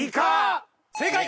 正解。